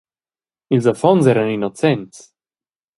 Ils affons eran innocents.